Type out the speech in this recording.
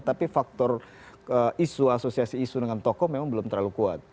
tapi faktor isu asosiasi isu dengan tokoh memang belum terlalu kuat